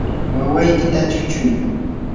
wawaykita chuchuy.